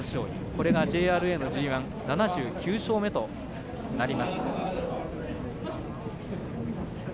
これがＧＩでの７９勝目となります。